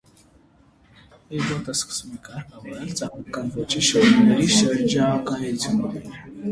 Էբբոթը սկսում է կարգավորել ծաղրական ոճի շոուների շրջագայություններ։